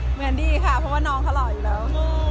เหมือนดีค่ะเพราะว่าน้องเขาหล่ออยู่แล้ว